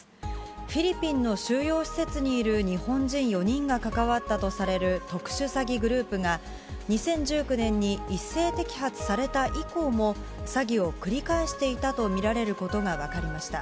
フィリピンの収容施設にいる日本人４人が関わったとされる特殊詐欺グループが、２０１９年に一斉摘発された以降も、詐欺を繰り返していたと見られることが分かりました。